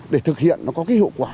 để thực hiện nó có cái hiệu quả